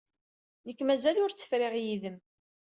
Nekk mazal ur tt-friɣ yid-m.